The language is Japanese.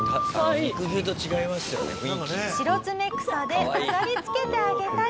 シロツメクサで飾り付けてあげたり。